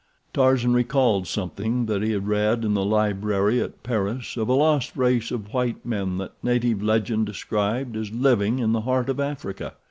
Tarzan recalled something that he had read in the library at Paris of a lost race of white men that native legend described as living in the heart of Africa.